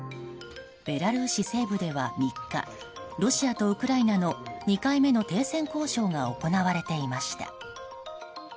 ベラルーシ西部では３日ロシアとウクライナの２回目の停戦交渉が行われていました。